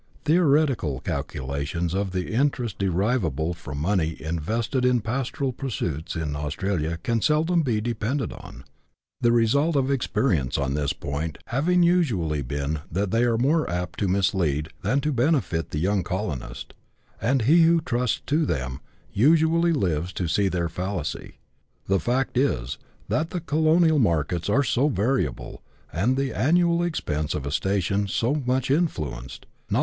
Theoretical calculations of the interest derivable from money invested in pastoral pursuits in Australia can seldom be depended on, the result of experience on this point having usually been that they are more apt to mislead than to benefit the young colonist, and he who trusts to them usually lives to see their fallacy. The fact is, that the colonial markets are so variable, and the annual expenses of a station so much influenced, not CHAP.